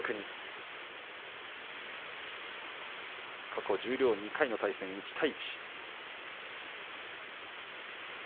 過去十両２回の対戦、１対１。